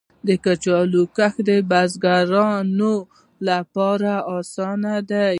د کچالو کښت د بزګرانو لپاره اسانه دی.